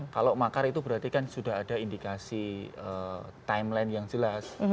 kalau makar itu berarti kan sudah ada indikasi timeline yang jelas